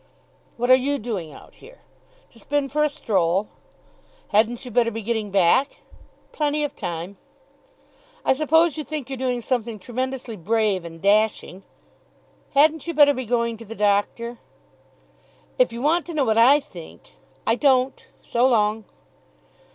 "What are you doing out here?" "Just been for a stroll." "Hadn't you better be getting back?" "Plenty of time." "I suppose you think you're doing something tremendously brave and dashing?" "Hadn't you better be going to the doctor?" "If you want to know what I think " "I don't. So long."